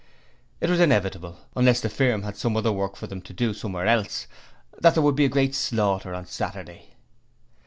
It was inevitable unless the firm had some other work for them to do somewhere else that there would be a great slaughter on Saturday.